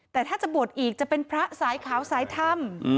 แต่ถ้าจะบวชอีกจะเป็นพระสายขาวสายธรรม